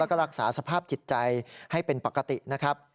แล้วก็รักษาสภาพจิตใจให้เป็นปกตินะครับ